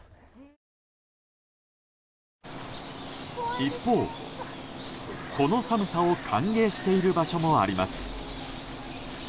一方、この寒さを歓迎している場所もあります。